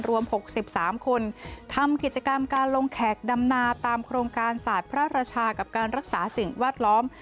รวม๖๓คนทำกิจกรรมการลงแขกดำนาตามโครงการศาสตร์พระราชากับการรักษาสิ่งแวดล้อม